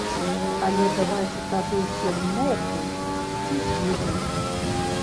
Але давайце тады ўсе змоўкнем ці з'едзем.